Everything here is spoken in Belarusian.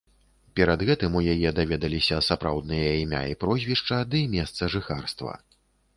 Перад гэтым у яе даведаліся сапраўдныя імя і прозвішча ды месца жыхарства.